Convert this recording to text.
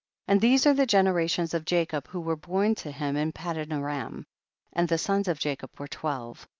16. And these are the generations of Jacob who were born to him in Padan aram, and the sons of Jacob were twelve.